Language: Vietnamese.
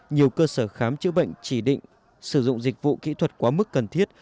nhiều cơ sở khám chữa bệnh chỉ định sử dụng dịch vụ kỹ thuật quá mức cần thiết